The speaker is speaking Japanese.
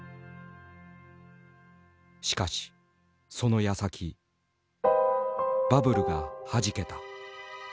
しかしそのやさきバブルがはじけた。